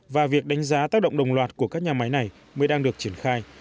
và việc đánh giá tác động đồng loạt của các nhà máy này mới đang được triển khai